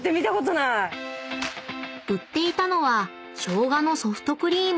［売っていたのはしょうがのソフトクリーム］